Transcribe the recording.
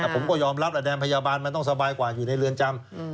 ผมก็ยอมรับแดนพยาบาลมันต้องสบายกว่าอยู่ในเรือนจำ